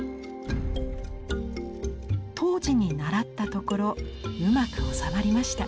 東寺にならったところうまくおさまりました。